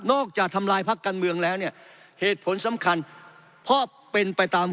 ทำลายพักการเมืองแล้วเนี่ยเหตุผลสำคัญเพราะเป็นไปตาม